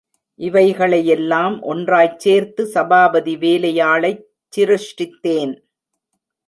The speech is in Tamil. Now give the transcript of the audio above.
இவைகளையெல்லாம் ஒன்றாய்ச் சேர்த்து, சபாபதி வேலையாளைச் சிருஷ்டித்தேன்.